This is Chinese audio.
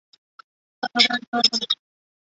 大奴湖。